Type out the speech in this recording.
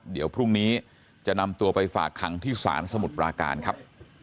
เดี๋ยวพรุ่งนี้จะนำตัวไปฝากขังที่ศาลสมุทรปราการครับ